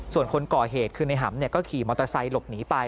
ส่วนคนก่อเหตุคือในหำก็ขี่มอเตอร์ไซค์หลบหนีไป